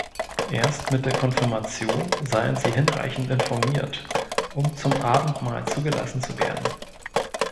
Erst mit der Konfirmation seien sie hinreichend informiert, um zum Abendmahl zugelassen zu werden.